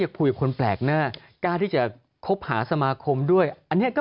คุยกับคนแปลกหน้ากล้าที่จะคบหาสมาคมด้วยอันนี้ก็